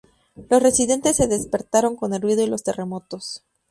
Los residentes se despertaron con el ruido y los terremotos.